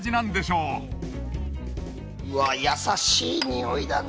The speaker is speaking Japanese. うわ優しい匂いだな。